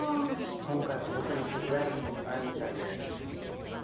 今回は僕に手伝える事もないみたいで。